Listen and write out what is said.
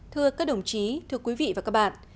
thưa các đồng chí thưa quý vị và các bạn